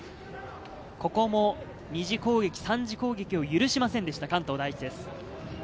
ここも２次攻撃、３次攻撃を許しませんでした、関東第一です。